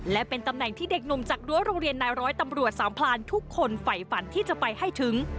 และเป็นตำแหน่งที่เด็กหนุ่มจากรั้วโรงเรียนนายร้อยตำรวจสามพลานทุกคนไฝฝันที่จะไปให้ถึง